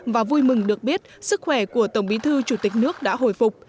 và vui mừng được biết sức khỏe của tổng bí thư chủ tịch nước đã hồi phục